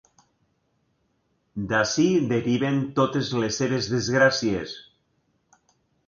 D'ací deriven totes les seves desgràcies.